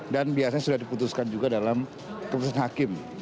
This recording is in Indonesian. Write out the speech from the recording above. dan biasanya sudah diputuskan juga dalam keputusan hakim